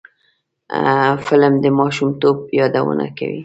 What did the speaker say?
فلم د ماشومتوب یادونه کوي